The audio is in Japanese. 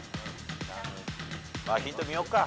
まあヒント見ようか。